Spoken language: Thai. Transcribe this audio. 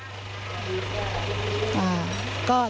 ตั้งแต่๕บาท